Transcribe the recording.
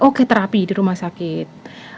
oke terapi di rumah sakit